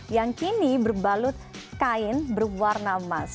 yang kini berbalut kain berwarna emas